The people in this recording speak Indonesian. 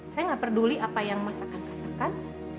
saya nggak peduli apa yang mas akan katakan